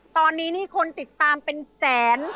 ตอนนี้นี่คนติดตามเป็นแสน